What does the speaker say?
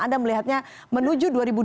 anda melihatnya menuju dua ribu dua puluh